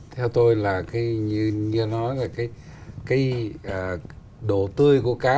theo tôi là như nói là cái độ tươi của cá